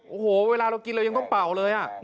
โอ้โหเวลาเรากินเรายังต้องเป่าเลย